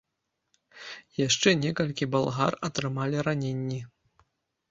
Яшчэ некалькі балгар атрымалі раненні.